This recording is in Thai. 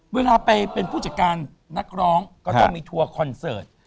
เวลาไปเป็นผู้จัดการนักร้องก็ต้องมีทัวร์คอนเสิร์ต